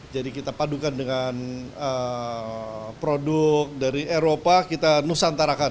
jadi kita padukan dengan produk dari eropa kita nusantarakan